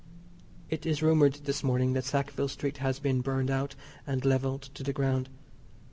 It is rumoured this morning that Sackville Street has been burned out and levelled to the ground.